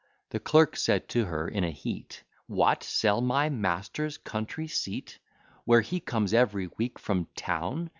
The clerk said to her in a heat, What! sell my master's country seat, Where he comes every week from town!